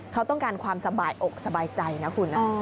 เขาต้องการความสบายอกสบายใจนะคุณ